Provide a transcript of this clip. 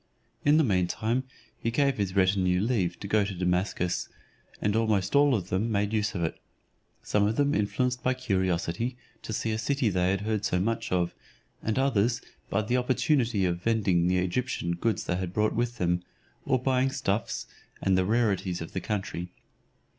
In the mean time he gave his retinue leave to go to Damascus; and almost all of them made use of it: some influenced by curiosity to see a city they had heard so much of, and others by the opportunity of vending the Egyptian goods they had brought with them, or buying stuffs, and the rarities of the country.